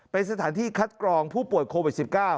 เป็นสถานที่คัดกรองผู้ป่วยโควิด๑๙